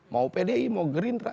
mau pdi mau gerindra